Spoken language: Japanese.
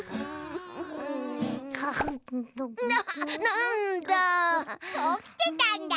なんだ。